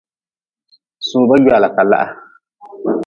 Soba gwala ka laha.